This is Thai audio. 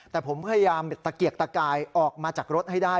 แต่ผมพยายามตะเกียกตะกายออกมาจากรถให้ได้